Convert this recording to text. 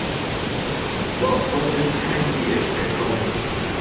با خلقتنگی استعفا داد.